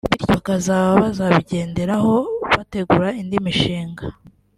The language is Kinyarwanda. bityo bakaba bazabigenderaho bategura indi mishinga